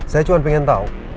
saya cuma pengen tau